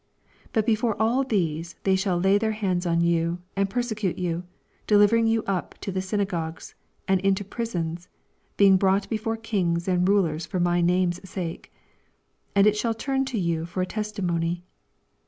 12 But before all these, they sh^l lay their hands on you, and persecute you, delivering you up to the syna gogues, and into prisons, being Drought before kings and rulers for my nume^s sake. 18 And it shall turn to you for a testimony.